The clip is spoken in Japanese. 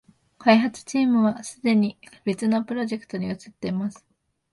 開発チームはすでに別のプロジェクトに移ってます